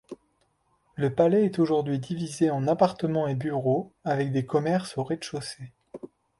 Le palais est aujourd'hui divisé en appartements et bureaux avec des commerces au rez-de-chaussée.